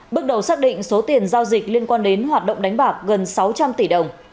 bước đầu xác định số tiền giao dịch liên quan đến hoạt động đánh bạc gần sáu trăm linh tỷ đồng